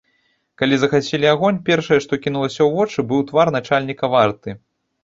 Калі загасілі агонь, першае, што кінулася ў вочы, быў твар начальніка варты.